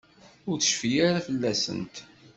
Ur tecfi ara fell-asent.